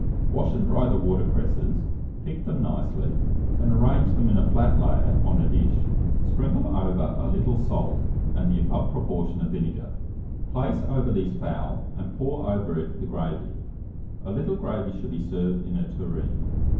Wash and dry the water cresses, pick them nicely, and arrange them in a flat layer on a dish. Sprinkle over a little salt and the above proportion of vinegar; place over these the fowl, and pour over it the gravy. A little gravy should be served in a tureen.